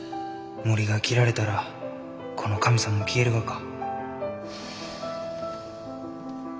森が切られたらこの神さんも消えるがか？